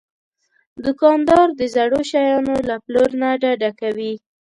دوکاندار د زړو شیانو له پلور نه ډډه کوي.